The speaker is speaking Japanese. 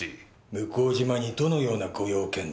向島にどのようなご用件で？